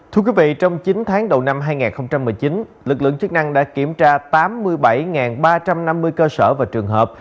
thưa quý vị trong chín tháng đầu năm hai nghìn một mươi chín lực lượng chức năng đã kiểm tra tám mươi bảy ba trăm năm mươi cơ sở và trường hợp